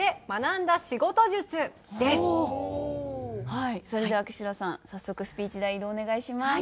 はいそれでは久代さん早速スピーチ台に移動お願いします。